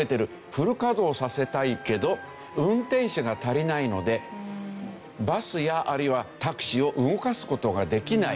フル稼働させたいけど運転手が足りないのでバスやあるいはタクシーを動かす事ができない。